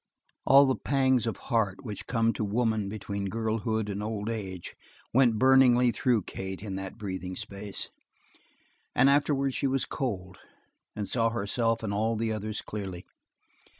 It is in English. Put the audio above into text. All the pangs of heart which come to woman between girlhood and old age went burningly through Kate in that breathing space, and afterwards she was cold, and saw herself and all the others clearly.